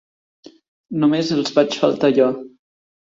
Només els vaig faltar jo.